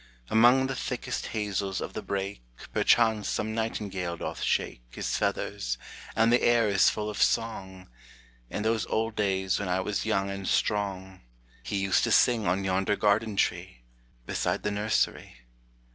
Among the thickest hazels of the brake Perchance some nightingale doth shake His feathers, and the air is full of song; In those old days when I was young and strong, He used to sing on yonder garden tree, Beside the nursery.